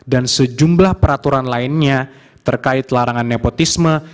dan sejumlah peraturan lainnya terkait larangan nepotisme